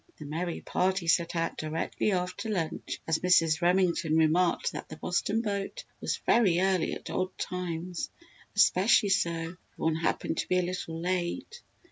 The merry party set out directly after lunch as Mrs. Remington remarked that the Boston boat was very early at odd times especially so, if one happened to be a little late.